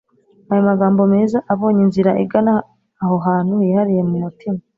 ayo magambo meza abonye inzira igana aho hantu hihariye mumutima.